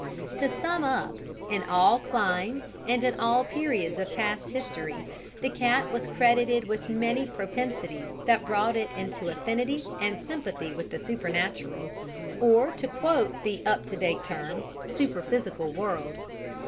"To sum up in all climes and in all periods of past history, the cat was credited with many propensities that brought it into affinity and sympathy with the supernatural or to quote the up to date term superphysical world.